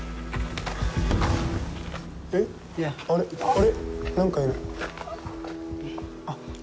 あれっ？何かいる。